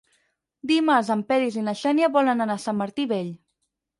Dimarts en Peris i na Xènia volen anar a Sant Martí Vell.